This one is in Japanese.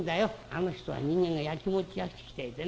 あの人は人間がやきもちやきしていてね